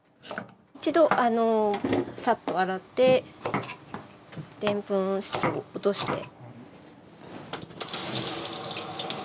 一度サッと洗ってでんぷん質を落として。